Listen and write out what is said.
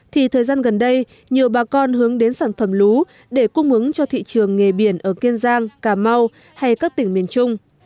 thì thời gian gần đây nhiều bà con hướng đến sản phẩm lúa để cung ứng cho thị trường nghề biển ở kiên giang cà mau hay các tỉnh miền trung